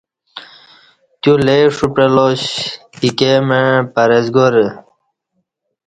تیو لے ݜو پعلاش ایکے مع پرہیزگارہ